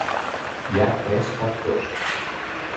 Hi ha tres factors.